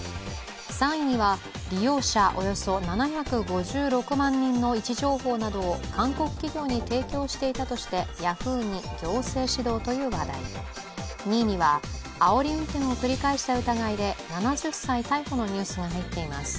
３位には利用者およそ７５６万人の位置情報などを韓国企業に提供していたとしてヤフーに行政指導という話題、２位には、あおり運転を繰り返した疑いで７０歳逮捕のニュースが入っています。